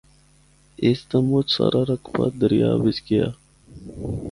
اس دا مُچ سارا رقبہ دریا بچ گیا۔